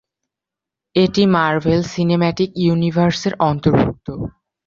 এটি Marvel cinematic ইউনিভার্সের অন্তর্ভুক্ত।